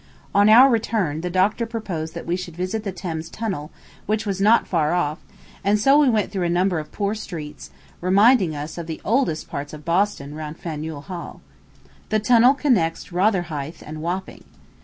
On our return, the doctor proposed that we should visit the Thames Tunnel, which was not far off; and so we went through a number of poor streets, reminding us of the oldest parts of Boston round Faneuil Hall. The tunnel connects Rotherhithe and Wapping.